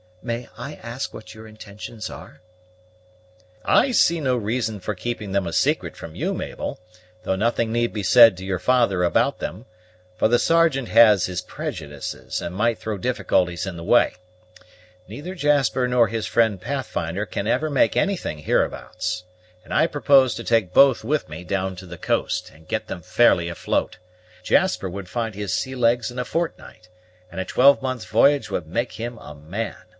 May I ask what your intentions are?" "I see no reason for keeping them a secret from you, Mabel, though nothing need be said to your father about them; for the Sergeant has his prejudices, and might throw difficulties in the way. Neither Jasper nor his friend Pathfinder can ever make anything hereabouts, and I propose to take both with me down to the coast, and get them fairly afloat. Jasper would find his sea legs in a fortnight, and a twelvemonth's v'y'ge would make him a man.